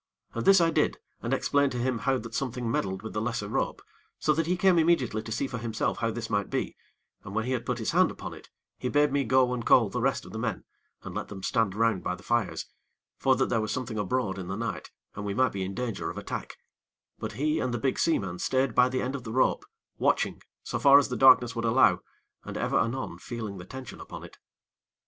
And this I did, and explained to him how that something meddled with the lesser rope, so that he came immediately to see for himself how this might be, and when he had put his hand upon it, he bade me go and call the rest of the men, and let them stand round by the fires; for that there was something abroad in the night, and we might be in danger of attack; but he and the big seaman stayed by the end of the rope, watching, so far as the darkness would allow, and ever and anon feeling the tension upon it.